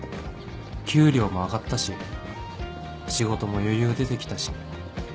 給料も上がったし仕事も余裕出てきたし